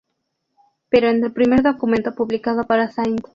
Pero en el primer documento publicado para St.